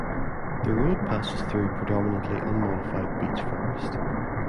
The road passes through predominantly unmodified beech forest.